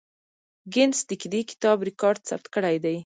ګینس د دې کتاب ریکارډ ثبت کړی دی.